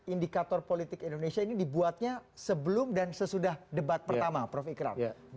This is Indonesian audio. indikator politik indonesia ini dibuatnya sebelum dan sesudah debat pertama prof ikram